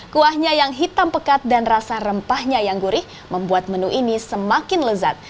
kuahnya yang hitam pekat dan rasa rempahnya yang gurih membuat menu ini semakin lezat